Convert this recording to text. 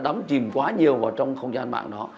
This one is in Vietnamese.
đắm chìm quá nhiều vào trong không gian mạng đó